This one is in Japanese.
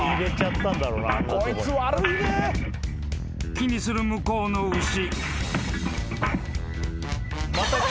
［気にする向こうの牛］